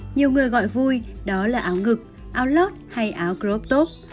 nhiều người gọi vui đó là áo ngực áo lót hay áo crop top